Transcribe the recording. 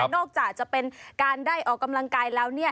นอกจากจะเป็นการได้ออกกำลังกายแล้ว